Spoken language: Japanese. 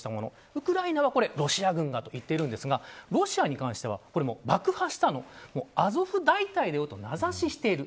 ウクライナはロシア軍がと言っているんですがロシアに関しては爆破したのはアゾフ大隊だと名指ししている。